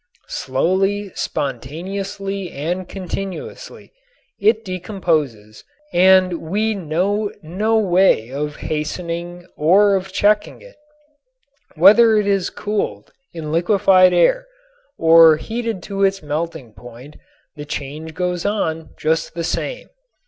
Slowly, spontaneously and continuously, it decomposes and we know no way of hastening or of checking it. Whether it is cooled in liquefied air or heated to its melting point the change goes on just the same.